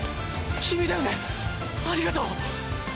君だよねありがとう！